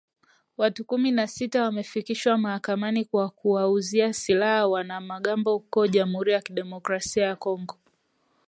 Watu kumi na sita wamefikishwa mahakamani kwa kuwauzia silaha wanamgambo huko Jamhuri ya kidemokrasia ya Kongo.